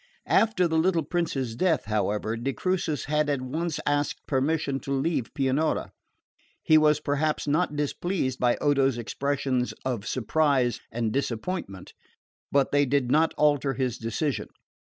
After the little Prince's death, however, de Crucis had at once asked permission to leave Pianura. He was perhaps not displeased by Odo's expressions of surprise and disappointment; but they did not alter his decision.